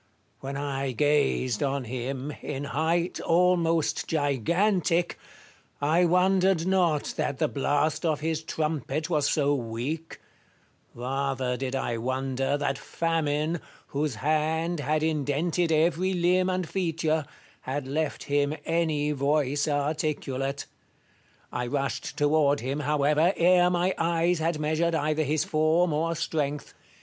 When I gazed on him, in height almost gigantic, I wondered not that the blast of his trumpet was so weak : rather did I wonder that Famine, whose hand had indented every limb and feature, had left him any voice articulate. I rushed toward him, however, ere my eyes had measured either his form or strength.